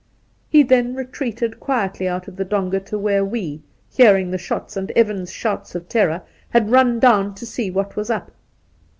He then retreated quietly out of the donga to where we, hearing the shots and Evans's shouts of terror, had run down to see what was up.